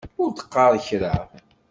Ur d-qqaṛ kra.